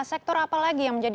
sektor apa lagi yang menjadi